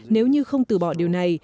nếu như không từ bỏ điều này